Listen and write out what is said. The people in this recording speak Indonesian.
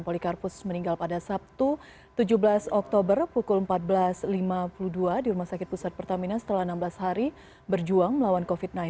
polikarpus meninggal pada sabtu tujuh belas oktober pukul empat belas lima puluh dua di rumah sakit pusat pertamina setelah enam belas hari berjuang melawan covid sembilan belas